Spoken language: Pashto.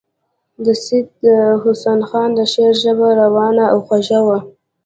د سید حسن خان د شعر ژبه روانه او خوږه وه.